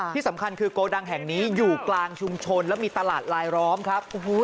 ที่สำคัญคือโกดังแห่งนี้อยู่กลางชุมชนแล้วมีตลาดลายล้อมครับ